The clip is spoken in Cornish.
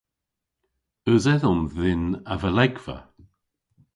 Eus edhom dhyn a valegva?